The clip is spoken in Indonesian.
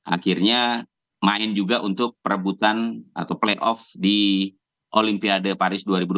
akhirnya main juga untuk perebutan atau playoff di olimpiade paris dua ribu dua puluh